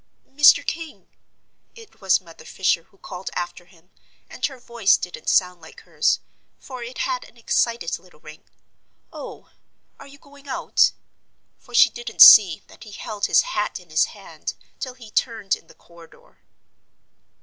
"Mr. King!" It was Mother Fisher who called after him, and her voice didn't sound like hers, for it had an excited little ring. "Oh, are you going out?" for she didn't see that he held his hat in his hand till he turned in the corridor.